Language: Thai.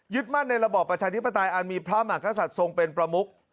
มั่นในระบอบประชาธิปไตยอันมีพระมหากษัตริย์ทรงเป็นประมุก